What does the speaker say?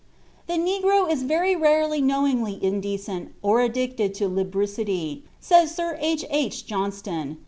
"The negro is very rarely knowingly indecent or addicted to lubricity," says Sir H.H. Johnston.